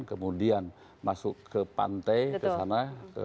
kemudian masuk ke pantai kesana